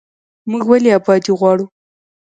موږ ولې ابادي غواړو؟